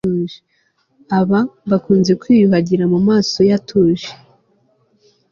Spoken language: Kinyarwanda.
Aba bakunze kwiyuhagira mumaso ye atuje